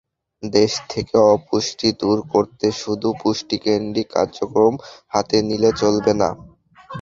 দেশ থেকে অপুষ্টি দূর করতে শুধু পুষ্টিকেন্দ্রিক কার্যক্রম হাতে নিলে চলবে না।